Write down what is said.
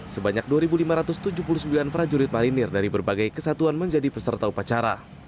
sebanyak dua lima ratus tujuh puluh sembilan prajurit marinir dari berbagai kesatuan menjadi peserta upacara